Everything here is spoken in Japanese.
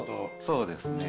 そうですね。